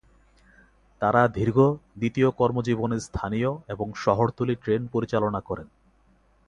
তারা দীর্ঘ দ্বিতীয় কর্মজীবনে স্থানীয় এবং শহরতলি ট্রেন পরিচালনা করেন।